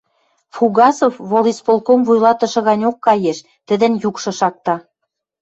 Фугасов волисполком вуйлатышы ганьок каеш, тӹдӹн юкшы шакта: